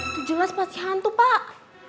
itu jelas pasti hantu pak